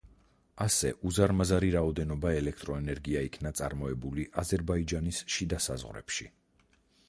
ასე უზარმაზარი რაოდენობა ელექტროენერგია იქნა წარმოებული აზერბაიჯანის შიდა საზღვრებში.